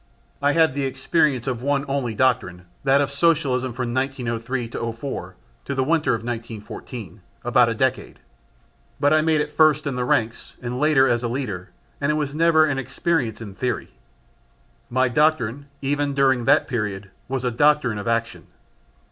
I had the experience of one only doctrine that of Socialism from 1903 04 to the winter of 1914 about a decade but I made it first in the ranks and later as a leader and it was never an experience in theory. My doctrine, even during that period, was a doctrine of action.